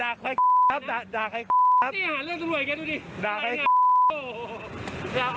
อ่าอะไรนะบ้างใครด่าใครเนี้ยหาเรื่องสรวยแกดูดิด่าใครโอ้โห